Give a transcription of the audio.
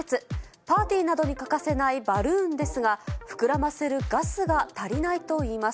パーティーなどに欠かせないバルーンですが、膨らませるガスが足りないといいます。